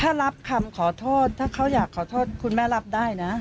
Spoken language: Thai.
ถ้ารับคำขอโทษถ้าเขาอยากขอโทษคุณแม่รับได้นะ